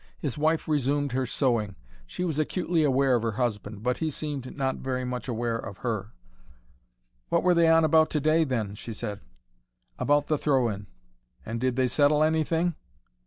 His wife resumed her sewing. She was acutely aware of her husband, but he seemed not very much aware of her. "What were they on about today, then?" she said. "About the throw in." "And did they settle anything?"